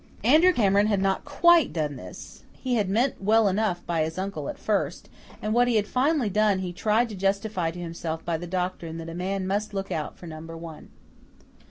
Andrew Cameron had not quite done this; he had meant well enough by his uncle at first, and what he had finally done he tried to justify to himself by the doctrine that a man must look out for Number One.